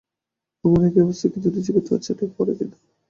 আমারও একই অবস্থা, কিন্তু নিজেকে তো আর ছাঁটাই করা যায় না।